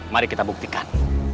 mari kita buktikan